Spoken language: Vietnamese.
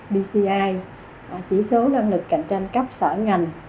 bci chỉ số năng lực cạnh tranh cấp sở ngành